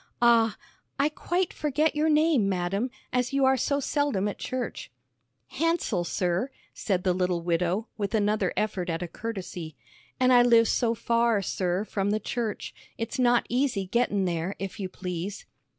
"Ah I quite forget your name, madam, as you are so seldom at church." "Hansell, sir," said the little widow, with another effort at a courtesy. "An' I live so far, sir, from the church, it's not easy gettin' there, if you please."